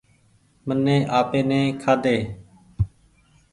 مني آپي ني کآ ۮي۔